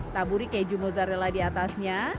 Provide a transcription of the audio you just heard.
taburi keju mozzarella diatasnya